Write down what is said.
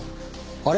あれ？